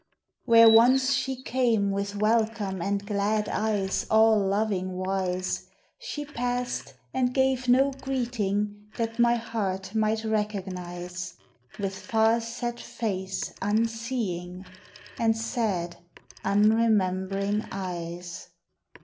Where once she came with welcome and glad eyes all loving wise, She passed and gave no greeting that my heart might recognize, With far set face unseeing and sad unremembering eyes.